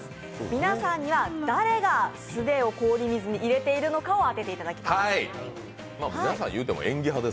皆さんには誰が素手で氷水に手をいれているか当てていただきます。